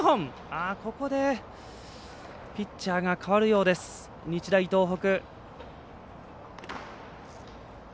ここで、ピッチャーが代わるようです、日大東北。